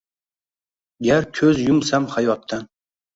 Gar ko‘z yumsam hayotdan